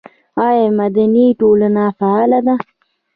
آیا مدني ټولنه فعاله ده؟